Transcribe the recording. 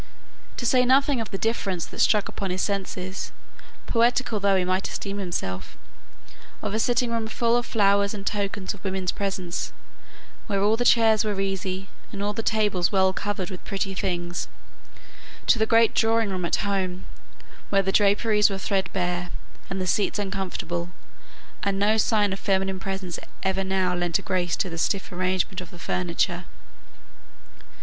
To say nothing of the difference that struck upon his senses, poetical though he might esteem himself, of a sitting room full of flowers, and tokens of women's presence, where all the chairs were easy, and all the tables well covered with pretty things, to the great drawing room at home, where the draperies were threadbare, and the seats uncomfortable, and no sign of feminine presence ever now lent a grace to the stiff arrangement of the furniture.